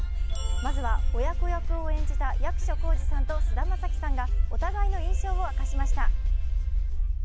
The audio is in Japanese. まずは親子役を演じた役所広司さんと菅田将暉さんがお互いの印象を明かしました。